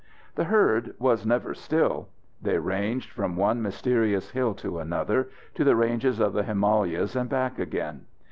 The herd was never still. They ranged from one mysterious hill to another, to the ranges of the Himalayas and back again.